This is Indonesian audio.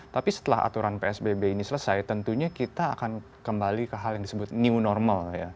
tapi setelah aturan psbb ini selesai tentunya kita akan kembali ke hal yang disebut new normal ya